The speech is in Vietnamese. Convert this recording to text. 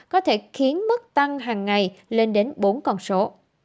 có thể khiến mức tăng hàng ngày lên đến bốn con số